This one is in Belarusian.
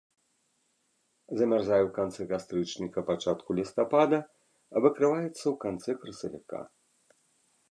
Замярзае ў канцы кастрычніка-пачатку лістапада, выкрываецца ў канцы красавіка.